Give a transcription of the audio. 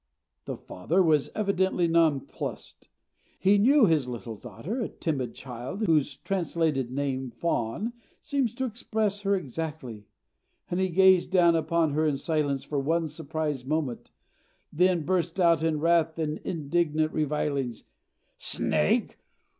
The father was evidently nonplussed. He knew his little daughter, a timid child, whose translated name, Fawn, seems to express her exactly, and he gazed down upon her in silence for one surprised moment, then burst out in wrath and indignant revilings. "Snake!